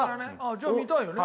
じゃあ見たいよね。